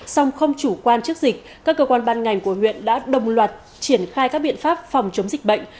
song không chủ quan trước dịch các cơ quan ban ngành của huyện đã đồng loạt triển khai các biện pháp phòng chống dịch bệnh